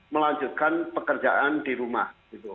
melanjutkan pekerjaan di rumah